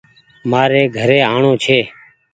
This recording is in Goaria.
مآري گھري آڻو ڇي۔